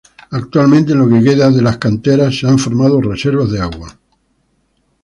Actualmente en lo que queda de las canteras se han formado reservas de agua.